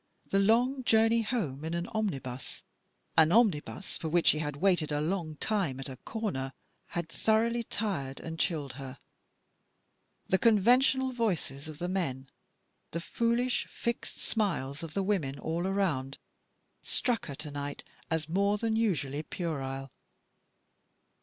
The long journey home in an omnibus, an omnibus for which she had waited a long time at a corner, had thoroughly tired and chilled her. The conventional voices of the men, the foolish, fixed smiles of the women all around struck her to night as more than usually puerile.